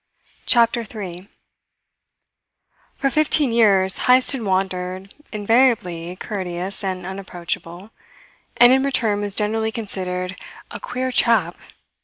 CHAPTER THREE For fifteen years Heyst had wandered, invariably courteous and unapproachable, and in return was generally considered a "queer chap."